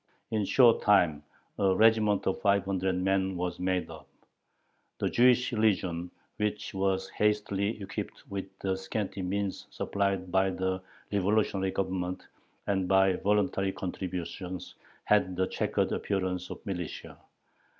In a short time a regiment of five hundred men was made up. The Jewish legion, which was hastily equipped with the scanty means supplied by the revolutionary Government and by voluntary contributions, had the checkered appearance of militia.